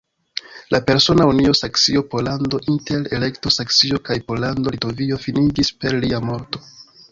La persona unio Saksio-Pollando inter Elekto-Saksio kaj Pollando-Litovio finiĝis per lia morto.